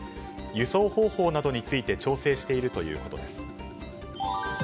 輸送方法などについて調整しているということです。